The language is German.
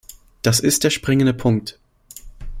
Das ist der springende Punkt.